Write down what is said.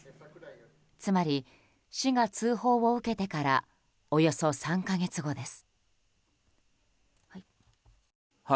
つまり、市が通報を受けてからおよそ３か月後です。